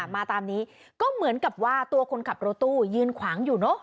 มาตามนี้ก็เหมือนกับว่าตัวคนขับรถตู้ยืนขวางอยู่เนอะ